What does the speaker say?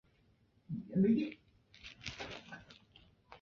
隆莱勒泰松人口变化图示